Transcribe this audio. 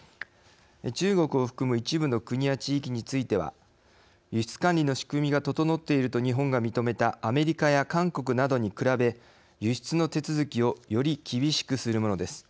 中国を含む一部の国や地域については輸出管理の仕組みが整っていると日本が認めたアメリカや韓国などに比べ輸出の手続きをより厳しくするものです。